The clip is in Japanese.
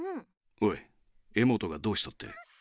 おいエモトがどうしたって？